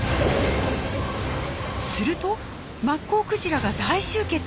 するとマッコウクジラが大集結！